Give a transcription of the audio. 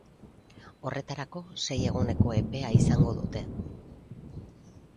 Horretarako, sei eguneko epea izango dute.